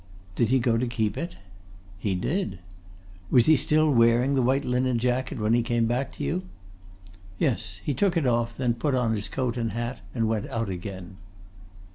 "Did he go to keep it?" "He did." "Was he still wearing the white linen jacket when he came back to you?" "Yes. He took it off, then put on his coat and hat and went out again."